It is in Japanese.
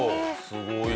すごーい。